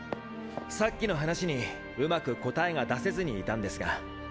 さっきの話にうまく答えが出せずにいたんですが。